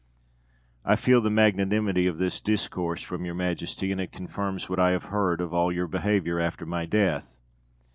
I feel the magnanimity of this discourse from your Majesty, and it confirms what I have heard of all your behaviour after my death.